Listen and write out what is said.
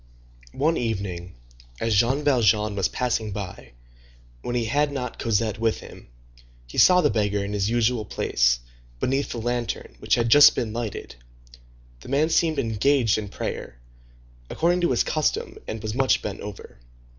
One evening, as Jean Valjean was passing by, when he had not Cosette with him, he saw the beggar in his usual place, beneath the lantern which had just been lighted. The man seemed engaged in prayer, according to his custom, and was much bent over.